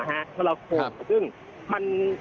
ทะละโป่งซึ่งมัน